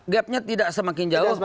gapnya tidak semakin jauh